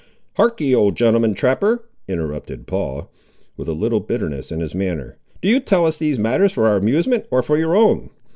"Harkee, old gentleman trapper," interrupted Paul, with a little bitterness in his manner; "do you tell us these matters for our amusement, or for your own?